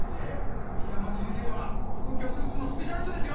森山先生は腹腔鏡手術のスペシャリストですよ！